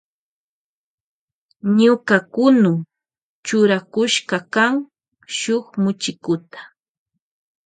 Ñuka kunu churakushkakan shuk muchikuta.